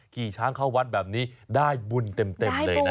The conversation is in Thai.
ขี่ช้างเข้าวัดแบบนี้ได้บุญเต็มเลยนะ